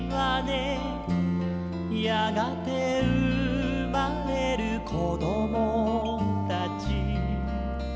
「やがてうまれるこどもたち」